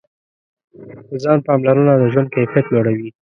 د ځان پاملرنه د ژوند کیفیت لوړوي.